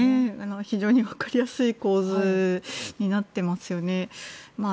非常にわかりやすい構図になってますよね。